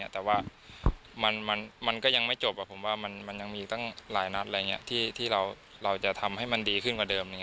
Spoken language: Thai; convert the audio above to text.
แต่ว่ามันก็ยังไม่จบผมว่ามันยังมีตั้งหลายนัดที่เราจะทำให้มันดีขึ้นกว่าเดิม